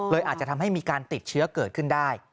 อาจจะทำให้มีการติดเชื้อเกิดขึ้นได้